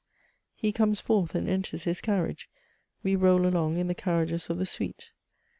— He comes forth, and enters his carriage ; we roll along in the carriages of the suite.